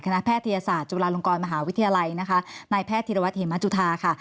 แพทยศาสตร์จุฬาลงกรมหาวิทยาลัยนะคะนายแพทย์ธิรวัตเฮมจุธาค่ะ